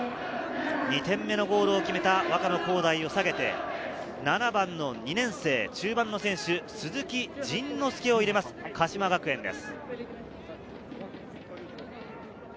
２点目のゴールを決めた若野晃大を下げて、７番、２年生、中盤の選手、鈴木仁之介を入れます鹿島学園です。